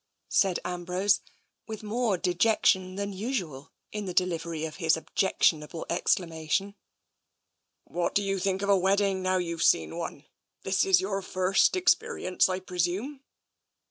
said Ambrose, with more dejection than usual in the delivery of his objectionable exclamation. " What do you think of a wedding, now you've seen one? This is your first experience, I presume?"